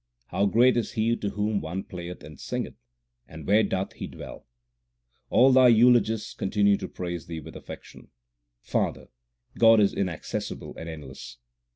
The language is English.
2 How great is He to whom one playeth and singeth, and where doth He dwell ? All Thy eulogists continue to praise Thee with affection. Father, God is inaccessible and endless.